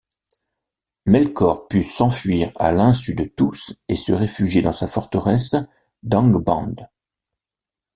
Melkor put s'enfuir à l'insu de tous et se réfugier dans sa forteresse d'Angband.